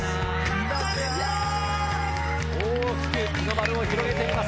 大きく日の丸を広げています。